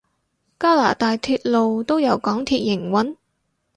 加拿大鐵路都由港鐵營運？